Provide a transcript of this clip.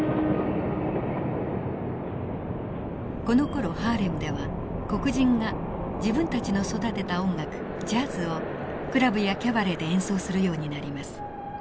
このころハーレムでは黒人が自分たちの育てた音楽ジャズをクラブやキャバレーで演奏するようになります。